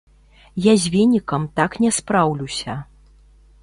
Я з венікам так не спраўлюся.